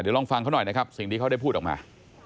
เดี๋ยวลองฟังเขาหน่อยนะครับสิ่งที่เขาได้พูดออกมา